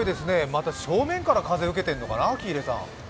また正面から風受けてるのかな、喜入さん。